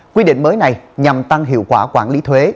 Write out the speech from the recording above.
quy định mới này nhằm tăng hiệu quả quản lý thuế